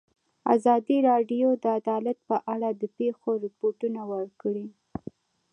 ازادي راډیو د عدالت په اړه د پېښو رپوټونه ورکړي.